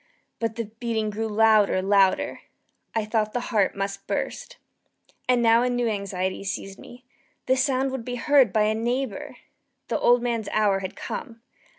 But the beating grew louder, louder! I thought the heart must burst. And now a new anxiety seized me the sound would be heard by a neighbour! The old man's hour had come!